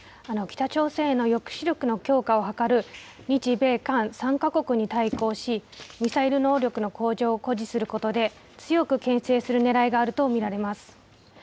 北朝鮮への抑止力の強化を図る日米韓３か国に対抗し、ミサイル能力の向上を誇示することで、強くけん制するねらいがあると見られます。